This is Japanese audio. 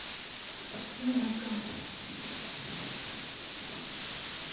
そやろか。